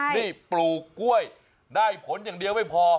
นี่ปลูกกล้วยได้ผลอย่างเดียวไม่พอ